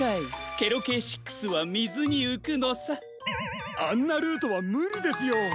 ケロＫ６はみずにうくのさ。あんなルートはむりですよ。